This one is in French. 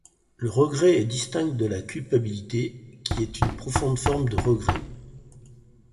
Le regret est distinct de la culpabilité, qui est une profonde forme de regret.